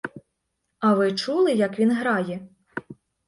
А ви чули, як він грає?